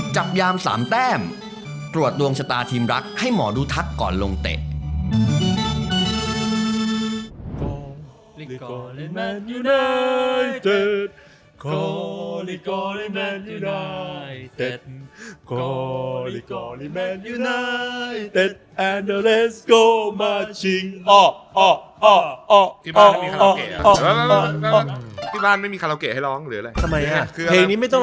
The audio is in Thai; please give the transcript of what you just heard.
ยาม๓แต้มตรวจดวงชะตาทีมรักให้หมอดูทักก่อนลงเตะ